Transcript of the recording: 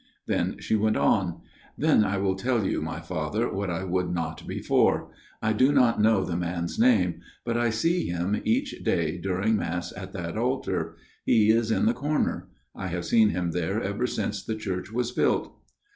" Then she went on, * Then I will tell you, my Father, what I would not before. I do not know the man's name, but I see him each day during Mass at that altar. He is in the corner. I have seen him there ever since the church was built.'